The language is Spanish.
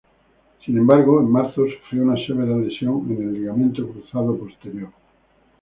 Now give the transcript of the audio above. Sin embargo, en marzo sufrió una severa lesión en el ligamento cruzado posterior.